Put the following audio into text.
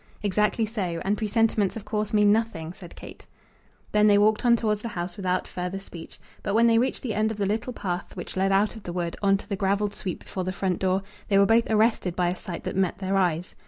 "Exactly so; and presentiments, of course, mean nothing," said Kate. Then they walked on towards the house without further speech; but when they reached the end of the little path which led out of the wood, on to the gravelled sweep before the front door, they were both arrested by a sight that met their eyes.